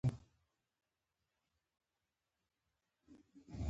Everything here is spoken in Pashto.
عبدالهادى مې نو د راز ملگرى او پوخ انډيوال و.